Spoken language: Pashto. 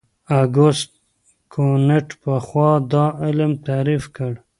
اګوست کُنت پخوا دا علم تعریف کړ.